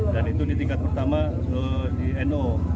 dan itu di tingkat pertama di no